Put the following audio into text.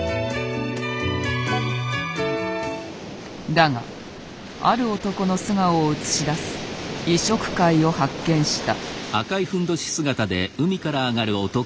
だがある男の素顔を映し出す異色回を発見した。